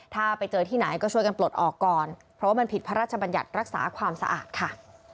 ถ้าไปเจอที่ไหนก็ช่วยกันปลดออกก่อนเพราะว่ามันผิดพระราชบัญญัติรักษาความสะอาดค่ะ